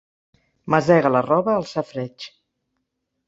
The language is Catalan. Masega la roba al safareig.